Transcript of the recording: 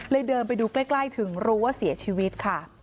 เดินไปดูใกล้ถึงรู้ว่าเสียชีวิตค่ะ